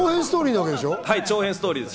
長編ストーリーです。